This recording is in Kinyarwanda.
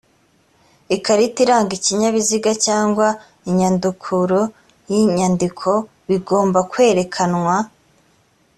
ikarita iranga ikinyabiziga cyangwa inyandukuro y’inyandiko bigomba kwerekanwa